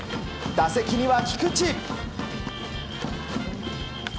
打席には菊池。